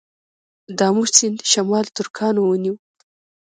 د امو سیند شمال ترکانو ونیو